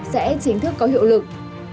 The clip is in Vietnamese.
sẽ chính thức có hiệu lực